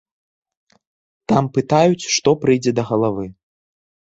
Там пытаюць, што прыйдзе да галавы.